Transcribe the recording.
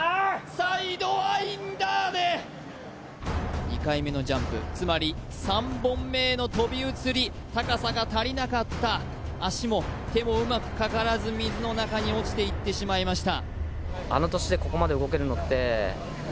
サイドワインダーで２回目のジャンプつまり３本目へのとび移り高さが足りなかった足も手もうまくかからず水の中に落ちていってしまいました